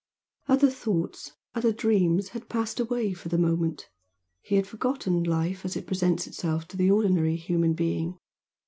Other thoughts other dreams had passed away for the moment he had forgotten life as it presents itself to the ordinary human being.